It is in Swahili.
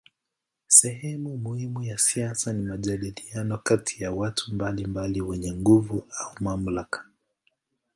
Sehemu muhimu ya siasa ni majadiliano kati ya watu mbalimbali wenye nguvu au mamlaka.